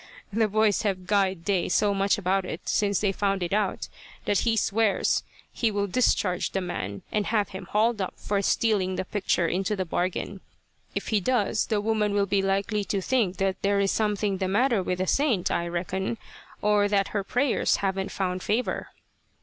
"The boys have guyed Day so much about it, since they found it out, that he swears he will discharge the man, and have him hauled up for stealing the picture into the bargain. If he does, the woman will be likely to think that there is something the matter with the saint, I reckon, or that her prayers havn't found favour."